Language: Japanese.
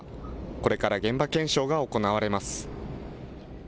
これから現場検証が行われます。